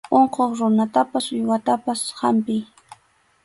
Unquq runatapas uywatapas hampiy.